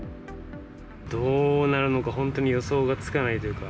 どうなるのか、本当に予想がつかないというか。